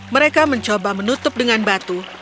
mereka mencoba menutup dengan batu